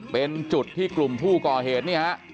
เป็นจุดที่กลุ่มผู้ก่อเหตุนี่ฮะ